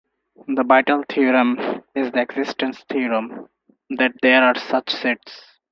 The Vitali theorem is the existence theorem that there are such sets.